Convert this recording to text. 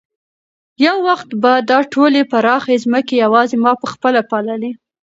یو وخت به دا ټولې پراخې ځمکې یوازې ما په خپله پاللې.